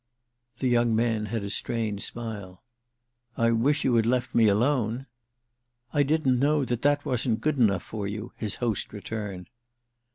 The young man had a strained smile. "I wish you had left me alone!" "I didn't know that that wasn't good enough for you," his host returned.